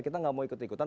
kita tidak mau ikut ikutan